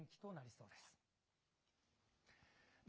そうですね。